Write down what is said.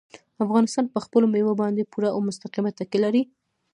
افغانستان په خپلو مېوو باندې پوره او مستقیمه تکیه لري.